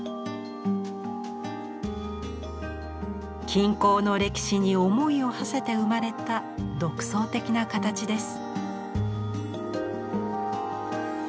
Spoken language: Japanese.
金工の歴史に思いをはせて生まれた独創的な形です。